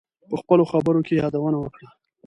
په خپلو خبرو کې یادونه وکړه.